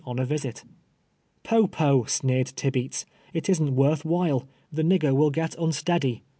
»n a visit. " Boh, poll !" sneered Tibeats ;'' it isn't worth while — the nigger will get imsteady.